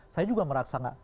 saya juga merasa gak